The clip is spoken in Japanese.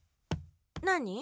何？